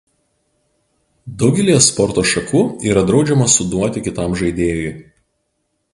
Daugelyje sporto šakų yra draudžiama suduoti kitam žaidėjui.